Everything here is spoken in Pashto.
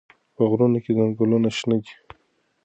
په غرونو کې ځنګلونه شنه دي.